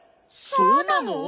そうなの？